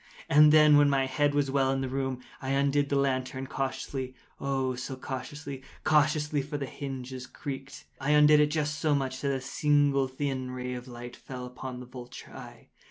And then, when my head was well in the room, I undid the lantern cautiously—oh, so cautiously—cautiously (for the hinges creaked)—I undid it just so much that a single thin ray fell upon the vulture eye.